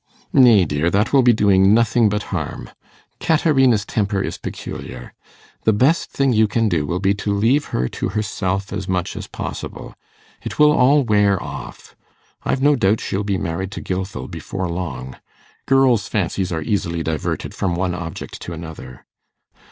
'Nay, dear, that will be doing nothing but harm. Caterina's temper is peculiar. The best thing you can do will be to leave her to herself as much as possible. It will all wear off. I've no doubt she'll be married to Gilfil before long. Girls' fancies are easily diverted from one object to another.